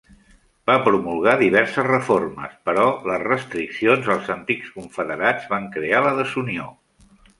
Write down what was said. Va promulgar diverses reformes, però les restriccions als antics confederats van crear la desunió.